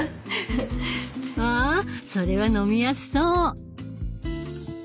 わそれは飲みやすそう！